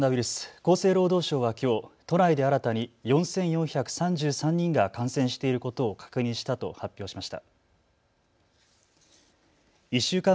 厚生労働省はきょう都内で新たに４４３３人が感染していることを確認したと発表しました。